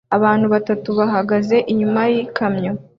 Abantu batatu bahagaze inyuma yikamyo